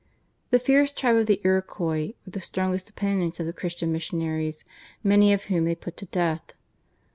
The fierce tribe of the Iroquois were the strongest opponents of the Christian missionaries, many of whom they put to death.